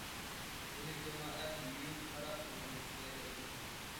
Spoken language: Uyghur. ھېلى جامائەت يۇيۇپ - تاراپ ئۇنى مۇشۇ يەرگە ئەكىلىدۇ.